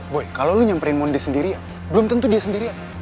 boy kalau lo nyamperin mondi sendiri belum tentu dia sendirian